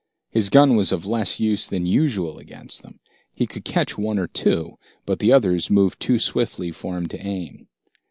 His gun was of less use than usual against them. He could catch one or two, but the others moved too swiftly for him to aim.